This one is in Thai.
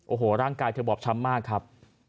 โอ้โหร่างกายเธอบอบช้ำมากครับ